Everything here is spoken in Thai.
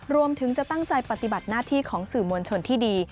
รวมถึงจะตั้งใจปฏิบัติหน้าที่ของสื่อมวลชนที่ดี